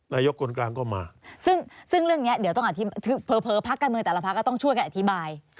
นายกคนกลางก็มาซึ่งเรื่องนี้เดี๋ยวต้องเผลอพักการเมืองแต่ละพักก็ต้องช่วยกันอธิบาย